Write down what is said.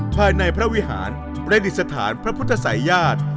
ภายในพระวิหารประดิษฐานพระพุทธศัยญาติ